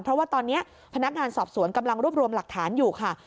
เพราะว่าตอนนี้พนักงานสอบสวนกำลังรวบรวมหลักฐานอยู่ค่ะ